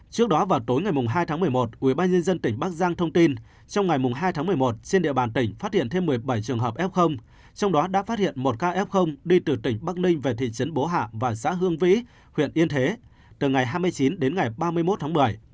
trước đó vào tối ngày hai tháng một mươi một ubnd tỉnh bắc giang thông tin trong ngày hai tháng một mươi một trên địa bàn tỉnh phát hiện thêm một mươi bảy trường hợp f trong đó đã phát hiện một ca f đi từ tỉnh bắc ninh về thị trấn bố hạ và xã hương vĩ huyện yên thế từ ngày hai mươi chín đến ngày ba mươi một tháng bảy